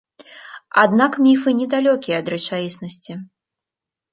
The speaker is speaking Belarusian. Аднак міфы недалёкія ад рэчаіснасці.